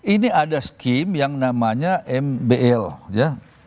ini ada skim yang namanya mlt